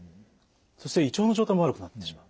そして胃腸の状態も悪くなってしまう。